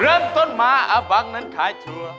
เริ่มต้นมาอาบังนั้นขายชัวร์